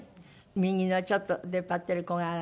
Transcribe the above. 右のちょっと出っ張ってる子があなた。